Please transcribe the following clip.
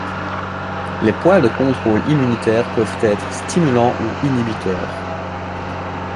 Les points de contrôle immunitaire peuvent être stimulants ou inhibiteurs.